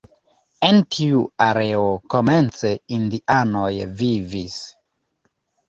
En tiu areo komence indianoj vivis.